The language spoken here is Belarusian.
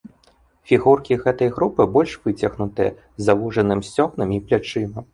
Фігуркі гэтай групы больш выцягнутыя, з завужаным сцёгнамі і плячыма.